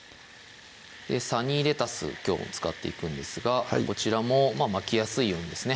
サニーレタスきょうも使っていくんですがこちらも巻きやすいようにですね